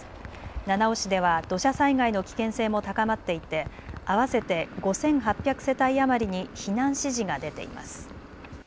七尾市では土砂災害の危険性も高まっていて合わせて５８００世帯余りに避難指示が出ています。